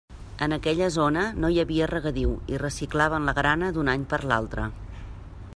En aquella zona no hi havia regadiu i reciclaven la grana d'un any per a l'altre.